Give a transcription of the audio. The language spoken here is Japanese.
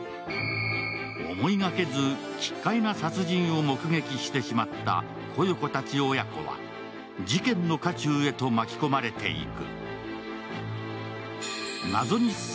思いがけず奇怪な殺人を目撃してしまった古代子たち親子は事件の渦中へと巻き込まれていく。